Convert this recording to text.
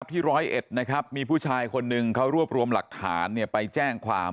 ที่ร้อยเอ็ดนะครับมีผู้ชายคนหนึ่งเขารวบรวมหลักฐานไปแจ้งความ